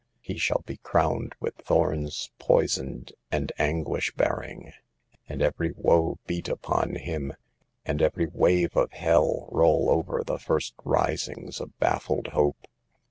He shall be crowned with thorns poisoned and anguish bearing • and every woe beat upon him, and every wave of hell roll over the first risings of baffled hope.